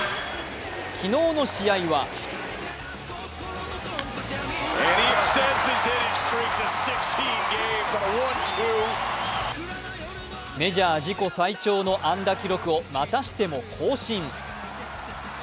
昨日の試合はメジャー自己最長の安打記録をまたしても更新。